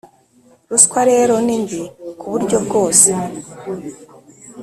Ruswa rero ni mbi ku buryo bwose.